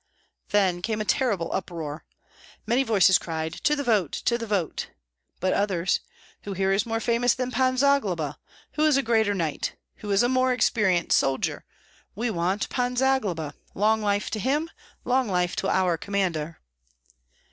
Then came a terrible uproar. Many voices cried, "To the vote! to the vote!" but others, "Who here is more famous than Pan Zagloba? Who is a greater knight? Who is a more experienced soldier? We want Pan Zagloba! Long life to him! Long life to our commander!"